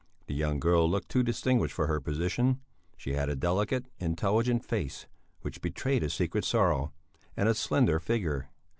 The young girl looked too distinguished for her position; she had a delicate, intelligent face, which betrayed a secret sorrow; and a slender figure.